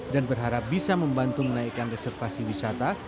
dan berharap bisa membantu menaikkan reservasi wisata